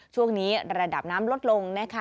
ช่วงนี้ระดับน้ำลดลงนะคะ